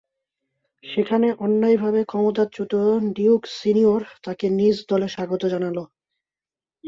সেখানে অন্যায়ভাবে ক্ষমতাচ্যুত ডিউক সিনিয়র তাঁকে নিজ দলে স্বাগত জানান।